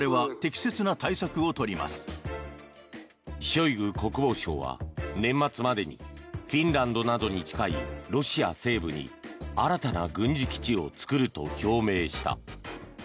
ショイグ国防相は年末までにフィンランドなどに近いロシア西部に新たな軍事基地を作ると表明した。